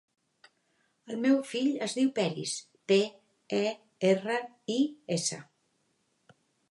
El meu fill es diu Peris: pe, e, erra, i, essa.